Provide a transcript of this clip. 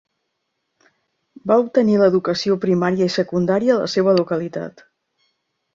Va obtenir l' educació primària i secundària a la seva localitat.